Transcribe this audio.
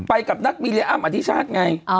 ไปกับนักบิริยามอธิชาติไง